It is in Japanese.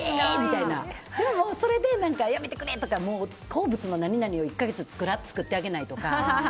でもそれで、やめてくれ！とか好物の何々を１か月作ってあげないとか。